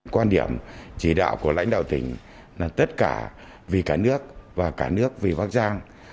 quan điểm chỉ đạo của lãnh đạo tỉnh là tất cả vì cả nước và cả nước vì bắc giang